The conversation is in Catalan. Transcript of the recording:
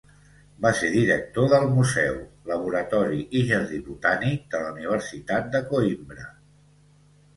Va ser director del Museu, Laboratori i Jardí Botànic de la Universitat de Coïmbra.